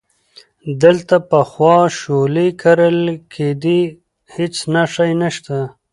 دلته پخوا شولې کرلې کېدې، هیڅ نښه یې نشته،